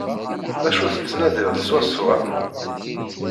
D acu tettnadiḍ swaswa?